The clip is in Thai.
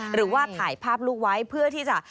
หรือว่าถ่ายภาพลูกไว้เพื่อที่จะ